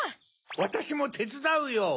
わたしもてつだうよ！